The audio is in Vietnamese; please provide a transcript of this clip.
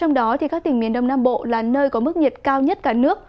trong đó các tỉnh miền đông nam bộ là nơi có mức nhiệt cao nhất cả nước